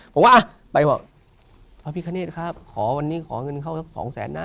ผมว่าอ่ะไปบอกพระพี่ขณฑ์ครับขอวันนี้ขอเงินเข้าสองแสนนะ